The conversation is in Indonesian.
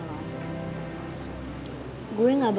di tanggal dua puluh tiga